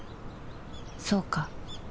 そうか